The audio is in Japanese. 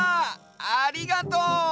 ありがとう！